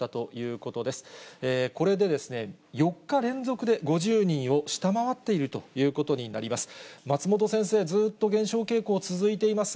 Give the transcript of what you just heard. これで４日連続で、５０人を下回っているということになります。